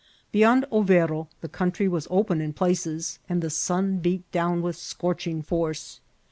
Beyond Overo the country was open in places, and the sun beat down with scorching force.